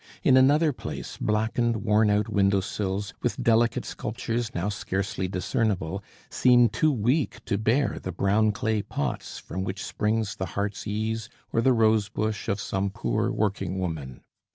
In another place blackened, worn out window sills, with delicate sculptures now scarcely discernible, seem too weak to bear the brown clay pots from which springs the heart's ease or the rose bush of some poor working woman.